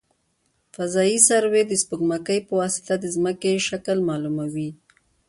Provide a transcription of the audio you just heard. فضايي سروې د سپوږمکۍ په واسطه د ځمکې شکل معلوموي